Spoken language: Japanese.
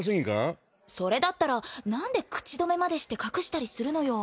それだったら何で口止めまでして隠したりするのよ。